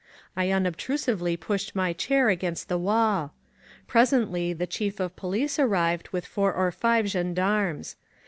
I unobtrusively pushed my chair against the wall. Presently the Chief of Po lice arrived with four or five gendarmes.